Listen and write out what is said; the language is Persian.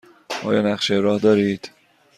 آیا نقشه راه دارید؟